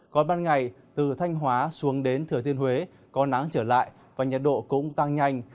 còn ban ngày từ thanh hóa xuống đến thừa thiên huế có nắng trở lại và nhiệt độ cũng tăng nhanh